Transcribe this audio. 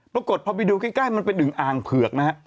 ปรากฏพอไปดูใกล้มันเป็นอึงอ่างเผือกนะฮะ